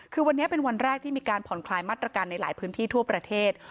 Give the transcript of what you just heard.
คือวันนี้เป็นวันแรกที่มีการผ่อนคลายมาตรการในหลายพื้นที่ทั่วประเทศ